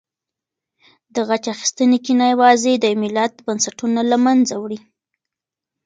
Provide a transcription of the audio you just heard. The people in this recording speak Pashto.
د غچ اخیستنې کینه یوازې د یو ملت بنسټونه له منځه وړي.